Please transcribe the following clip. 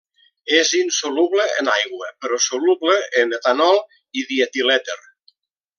És insoluble en aigua però soluble en etanol i dietilèter.